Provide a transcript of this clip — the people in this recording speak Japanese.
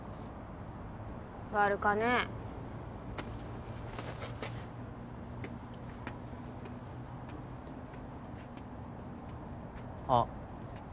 悪かねあっ